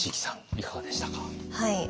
いかがでしたか？